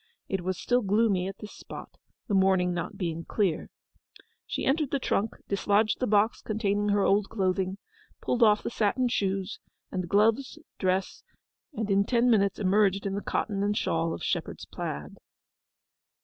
It was still gloomy at this spot, the morning not being clear. She entered the trunk, dislodged the box containing her old clothing, pulled off the satin shoes, and gloves, dress, and in ten minutes emerged in the cotton and shawl of shepherd's plaid.